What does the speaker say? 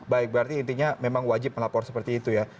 baik berarti intinya memang wajib melapor seperti itu ya